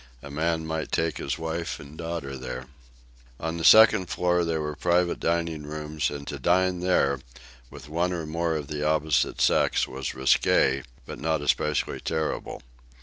A man might take his wife and daughter there. On the second floor there were private dining rooms, and to dine there, with one or more of the opposite sex, was risque but not especially terrible.